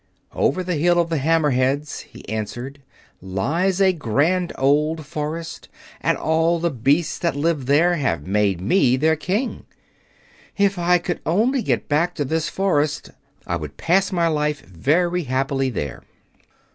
"Over the hill of the Hammer Heads," he answered, "lies a grand old forest, and all the beasts that live there have made me their King. If I could only get back to this forest, I would pass my life very happily there."